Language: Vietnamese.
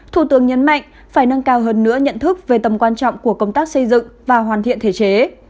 thủ tướng nhấn mạnh phải nâng cao hơn nữa nhận thức về tầm quan trọng của công tác xây dựng và hoàn thiện thể chế